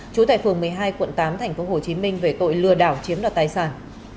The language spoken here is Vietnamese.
trú tại phường một mươi hai quận tám tp hcm về tội lừa đảo chiếm đoạt tài sản